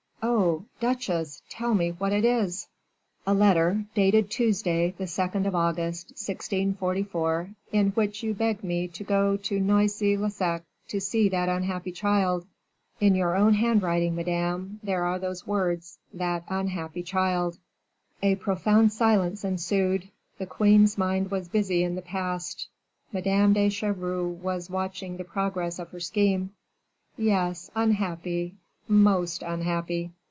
"Oh! duchesse, tell me what it is." "A letter, dated Tuesday, the 2d of August, 1644, in which you beg me to go to Noisy le Sec, to see that unhappy child. In your own handwriting, madame, there are those words, 'that unhappy child!'" A profound silence ensued; the queen's mind was busy in the past; Madame de Chevreuse was watching the progress of her scheme. "Yes, unhappy, most unhappy!"